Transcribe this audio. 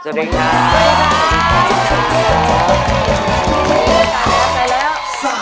สวัสดีครับ